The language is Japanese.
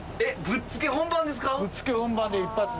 ぶっつけ本番で一発で。